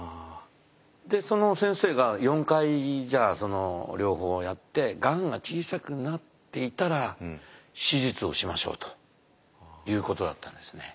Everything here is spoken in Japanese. でその先生が４回その療法をやってがんが小さくなっていたら手術をしましょうということだったんですね。